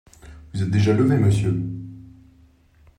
Vous êtes déjà levé, monsieur ?